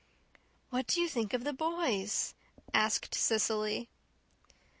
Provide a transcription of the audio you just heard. "What do you think of the boys?" asked Cecily.